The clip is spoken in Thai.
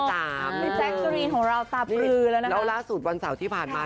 แจ๊กกะรีนของเราตาปลือแล้วนะคะแล้วล่าสุดวันเสาร์ที่ผ่านมา